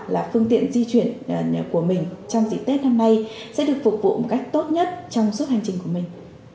là phương tiện di chuyển của mình trong dịp tết năm nay sẽ được phục vụ một cách tốt nhất trong suốt hành trình của mình